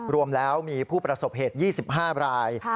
รวมแล้วมีผู้ประสบเหตุ๒๕ราย